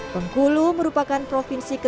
bungkulu merupakan provinsi ke dua puluh